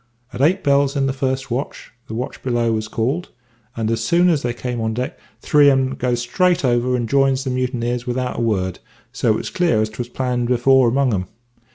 At eight bells in the first watch, the watch below was called; and as soon as they came on deck three on 'em goes straight over and jines the mutineers without a word; so it was clear as 'twas all planned afore among 'em.